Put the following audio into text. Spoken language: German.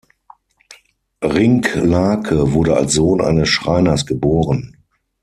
Rincklake wurde als Sohn eines Schreiners geboren.